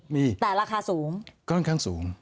มีแต่ราคาสูงค่อนข้างสูง